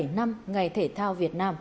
bảy mươi bảy năm ngày thể thao việt nam